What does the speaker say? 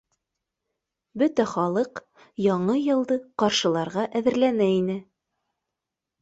Бөтә халыҡ Яңы йылды ҡаршыларға әҙерләнә ине.